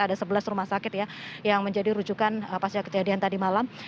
ada sebelas rumah sakit ya yang menjadi rujukan pasca kejadian tadi malam